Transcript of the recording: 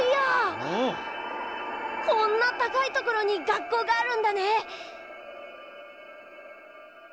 こんなたかいところにがっこうがあるんだね！